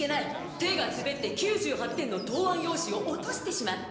手がすべって９８点の答案用紙を落としてしまった。